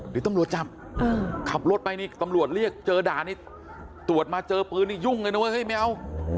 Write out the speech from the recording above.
เดี๋ยวตำรวจจับขับรถไปนี่ตำรวจเรียกเจอด่านี่ตรวจมาเจอปืนนี่ยุ่งเลยนะเว้เฮ้ยไม่เอา